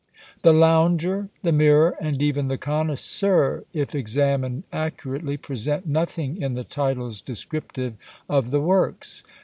The "Lounger," the "Mirror," and even the "Connoisseur," if examined accurately, present nothing in the titles descriptive of the works.